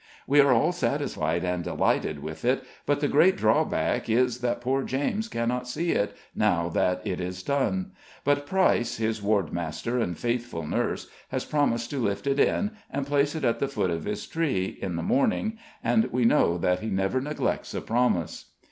We are all satisfied and delighted with it, but the great drawback is that poor James cannot see it, now that it is done; but Price, his wardmaster and faithful nurse, has promised to lift it in, and place it at the foot of his bed, in the morning, and we know that he never neglects a promise.